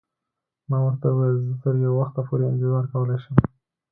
ما ورته وویل: زه تر یو وخته پورې انتظار کولای شم.